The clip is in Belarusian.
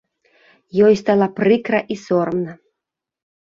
Ёй стала прыкра і сорамна.